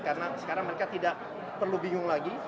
karena sekarang mereka tidak perlu bingung lagi